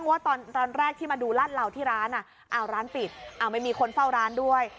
ว่าตอนแรกที่มาดูลาดเหล่าที่ร้านร้านปิดไม่มีคนเฝ้าร้านด้วย